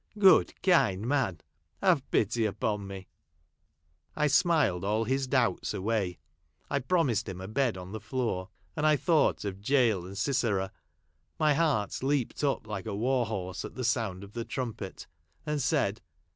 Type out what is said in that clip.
Good kind man ! have pity; upon me" I smiled all his doubts away ; I promised him a bed on the tloorj and I thought of Jael and Siseva. My heart leaped up like a war horse at the sound of the trumpet, and 'said